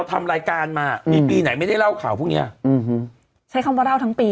ใช้คำว่าร่าวทั้งปีดีกว่าร่าวทั้งปี